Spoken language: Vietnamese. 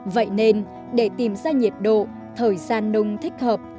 vậy nên để tìm ra nhiệt độ thời gian nung thích hợp